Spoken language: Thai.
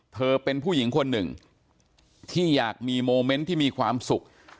เธอเป็นผู้หญิงคนหนึ่งที่อยากมีโมเมนต์ที่มีความสุข